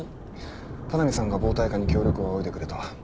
田波さんが暴対課に協力を仰いでくれた。